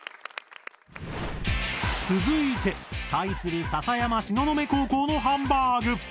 続いて対する篠山東雲高校のハンバーグ。